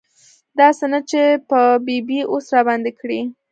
داسې نه چې په ببۍ اوس راباندې کړي.